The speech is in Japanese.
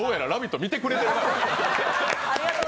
見てくれてるな。